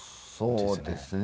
そうですね。